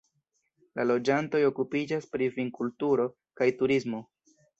La loĝantoj okupiĝas pri vinkulturo kaj turismo.